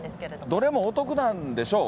どれもお得なんでしょう。